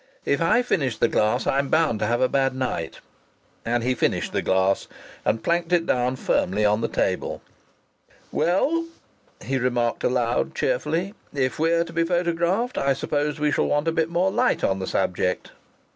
"If I finish the glass I'm bound to have a bad night." And he finished the glass, and planked it down firmly on the table. "Well," he remarked aloud cheerfully. "If we're to be photographed, I suppose we shall want a bit more light on the subject."